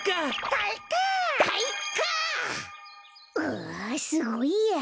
うわすごいや。